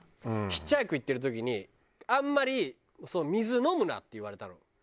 ヒッチハイク行ってる時に「あんまり水飲むな」って言われたの。